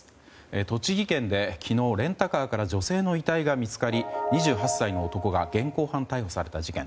栃木県で昨日、レンタカーから女性の遺体が見つかり２８歳の男が現行犯逮捕された事件。